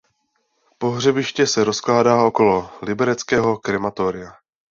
Pohřebiště se rozkládá okolo libereckého krematoria.